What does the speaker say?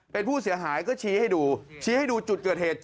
เป็นผู้เสียหายก็ชี้ให้ดูชี้ให้ดูจุดเกิดเหตุ